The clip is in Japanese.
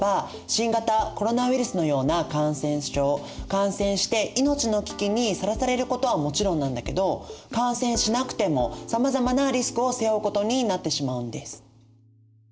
感染して命の危機にさらされることはもちろんなんだけど感染しなくてもさまざまなリスクを背負うことになってしまうんです。